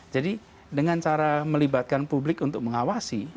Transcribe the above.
jadi dengan cara melibatkan publik untuk mengawasi